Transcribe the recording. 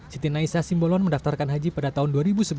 siti naisa simbolon mendaftarkan haji pada tahun dua ribu sebelas